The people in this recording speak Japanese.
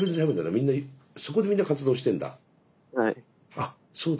あそうだ。